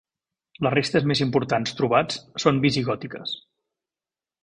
Les restes més importants trobats són visigòtiques.